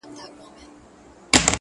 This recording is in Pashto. هر يوه يې افسانې بيانولې-